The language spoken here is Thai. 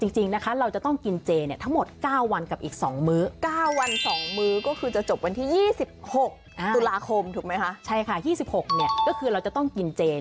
จริงนะคะเราจะต้องกินเจทั้งหมด๙วันกับอีก๒มื้อ